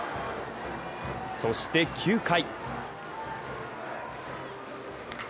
そして９回。